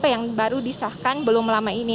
yang baru disahkan belum lama ini